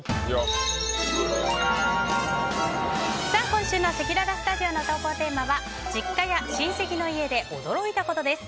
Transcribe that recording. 今週のせきららスタジオの投稿テーマは実家や親戚の家で驚いたことです。